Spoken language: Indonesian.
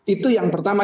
itu yang pertama